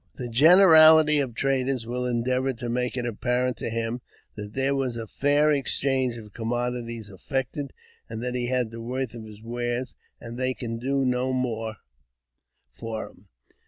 The generality of traders will endeavour to make it apparent to him that there was a fair exchange of commodities effected, and that he had the worth of his wares, and they can do no more for him.